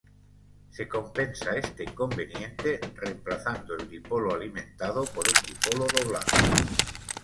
Se compensa este inconveniente remplazando el dipolo alimentado por un dipolo doblado.